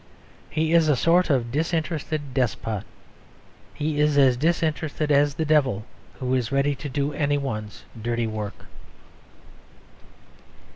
He is a sort of disinterested despot. He is as disinterested as the devil who is ready to do any one's dirty work.